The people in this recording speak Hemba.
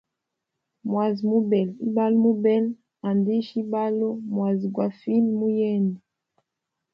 Mwazi mubela, ibalo mubela, andisha ibalo, mwazi gwa file muyende.